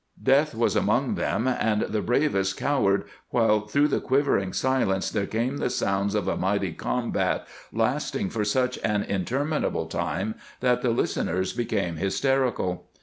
Death was among them and the bravest cowered while through the quivering silence there came the sounds of a mighty combat lasting for such an interminable time that the listeners became hysterical.